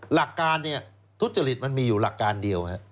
หลักการเนี่ยทุจริตมันมีอยู่หลักการเดียว